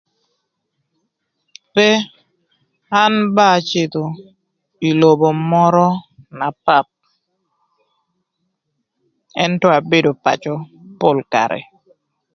Pe, an ba acïdhö ï lobo mörö na path ëntö abedo pacö pol karë.